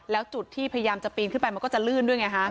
แล้วจุดที่พยายามจะปีนขึ้นไปมันก็จะลื่นด้วยไงฮะ